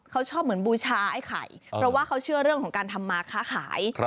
เขาชอบเหมือนบูชาไอ้ไข่เพราะว่าเขาเชื่อเรื่องของการทำมาค้าขาย